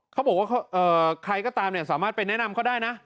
เขาบอกว่าใครก็ตามสามารถไปแนะนำเขาได้นะ